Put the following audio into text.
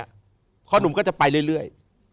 เพราะหนุ่มก็จะไปเรื่อย